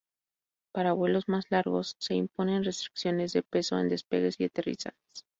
Para vuelos más largos, se imponen restricciones de peso en despegues y aterrizajes.